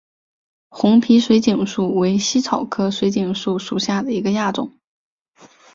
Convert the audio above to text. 红皮水锦树为茜草科水锦树属下的一个亚种。